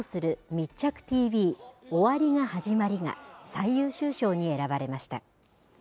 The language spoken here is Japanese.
密着ＴＶ終わりが始まりが、最優秀賞に選ばれました。